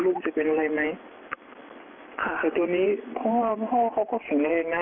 ลูกจะเป็นอะไรไหมแต่ตอนนี้พ่อเขาก็สูงแรงนะ